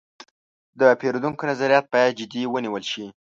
د پیرودونکو نظریات باید جدي ونیول شي.